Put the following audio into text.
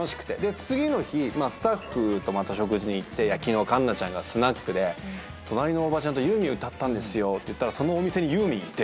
次の日スタッフと食事に行って昨日環奈ちゃんがスナックで隣のおばちゃんとユーミン歌ったんですよって言ったらそのお店にユーミンいて。